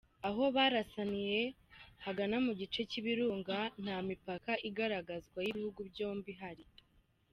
Aho barasaniye hagana mu gice cy’ibirunga nta mipaka igaragazwa y’ibihugu byombi ihari.